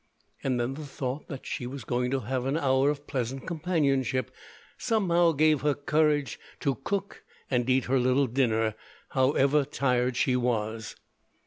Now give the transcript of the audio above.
And then the thought that she was going to have an hour of pleasant companionship somehow gave her courage to cook and eat her little dinner, however tired she was.